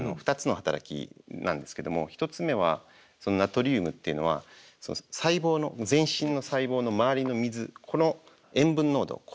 ２つの働きなんですけども１つ目はそのナトリウムっていうのは細胞の全身の細胞の周りの水この塩分濃度